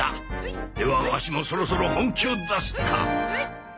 ではワシもそろそろ本気を出すか。